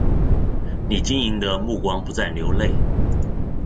你晶莹的目光不再流泪